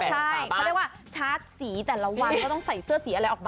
ใช่เขาเรียกว่าชาร์จสีแต่ละวันก็ต้องใส่เสื้อสีอะไรออกมา